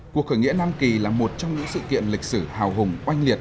cuộc khởi nghĩa năm kỳ là một trong những sự kiện lịch sử hào hùng quanh liệt